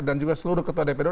dan juga seluruh ketua dpd dua